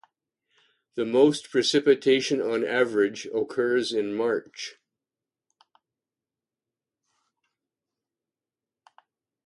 The most precipitation on average occurs in March.